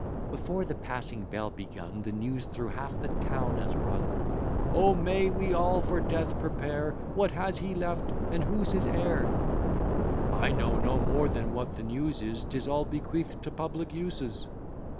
Before the Passing bell begun, The news thro' half the town has run. "O! may we all for death prepare! What has he left? and who's his heir?" "I know no more than what the news is; 'Tis all bequeath'd to public uses."